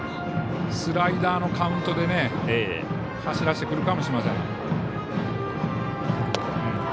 スライダーのカウントで走らせてくるかもしれません。